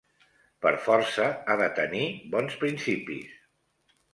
Per força ha de tenir bons principis